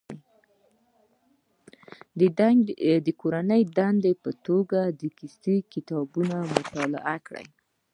د کورنۍ دندې په توګه د کیسو کتابونه مطالعه کړي.